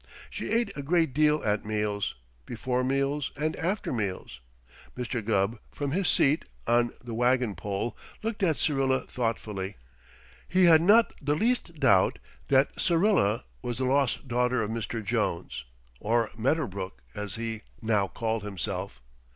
She ate a great deal at meals, before meals, and after meals. Mr. Gubb, from his seat on the wagon pole, looked at Syrilla thoughtfully. He had not the least doubt that Syrilla was the lost daughter of Mr. Jones (or Medderbrook as he now called himself).